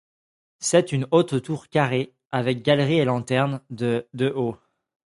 C'est une haute tour carrée, avec galerie et lanterne, de de haut.